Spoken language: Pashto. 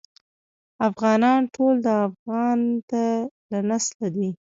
افغانان ټول د افغنه له نسله دي.